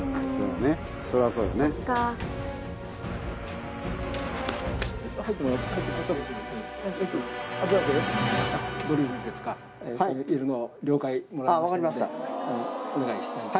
はい。